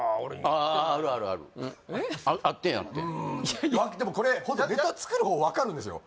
あるあるあるあったやんけでもこれネタ作る方分かるんですよ